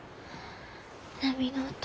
波の音